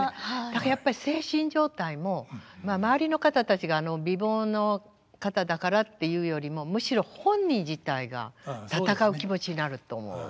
だからやっぱり精神状態もまあ周りの方たちが美貌の方だからっていうよりもむしろ本人自体が戦う気持ちになると思う。